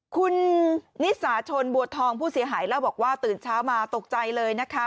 คุณนิสาชนบัวทองผู้เสียหายเล่าบอกว่าตื่นเช้ามาตกใจเลยนะคะ